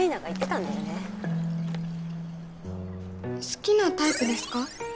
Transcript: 好きなタイプですか？